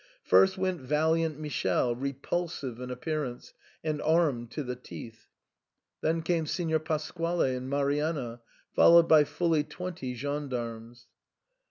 First went valiant Michele, repulsive in appearance, and armed to the teeth ; then came Signor Pasquale and Marianna, followed by fully twenty gendarmes.